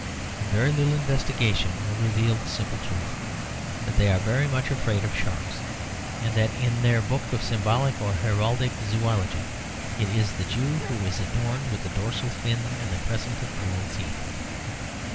And very little investigation will reveal the simple truth that they are very much afraid of sharks; and that in their book of symbolic or heraldic zoology it is the Jew who is adorned with the dorsal fin and the crescent of cruel teeth.